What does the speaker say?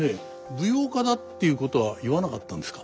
舞踊家だっていうことは言わなかったんですか？